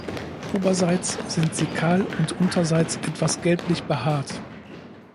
Oberseits sind sie kahl und unterseits etwas gelblich behaart.